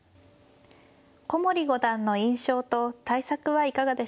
古森五段の印象と対策はいかがでしょうか。